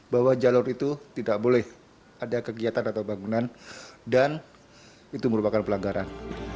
bahwa jalur itu tidak boleh ada kegiatan atau bangunan dan itu merupakan pelanggaran